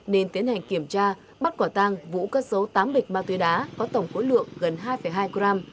nên tiến hành kiểm tra bắt quả tàng vũ cất số tám bịch ma túy đá có tổng cối lượng gần hai hai gram